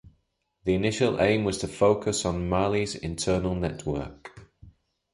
The initial aim was to focus on Mali's internal network.